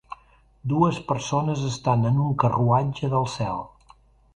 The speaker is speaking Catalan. Dues persones estan en un carruatge del cel.